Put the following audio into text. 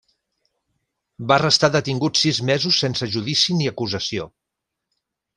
Va restar detingut sis mesos sense judici ni acusació.